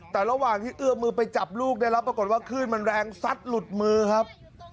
แต่ระหว่างที่เอื้อมือไปจับลูกได้รับปรากฏว่าคลื่นมันแรงซัดหลุดมือครับ